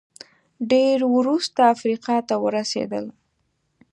ډېر وروسته افریقا ته ورسېدل